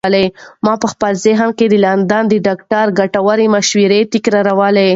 ما په خپل ذهن کې د لندن د ډاکتر ګټورې مشورې تکرارولې.